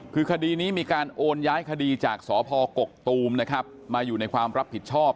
คือคดีนี้มีการโอนย้ายคดีจากสพกกตูมนะครับมาอยู่ในความรับผิดชอบ